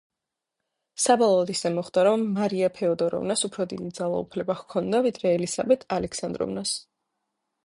საბოლოოდ ისე მოხდა, რომ მარია ფეოდოროვნას უფრო დიდი ძალაუფლება ჰქონდა ვიდრე ელისაბედ ალექსანდროვნას.